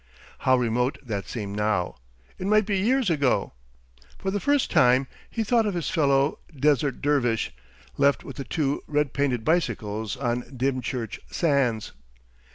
How remote that seemed now. It might be years ago. For the first time he thought of his fellow Desert Dervish, left with the two red painted bicycles on Dymchurch sands.